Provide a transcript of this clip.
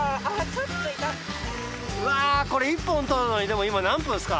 うわぁこれ１本採るのにでも今何分っすか？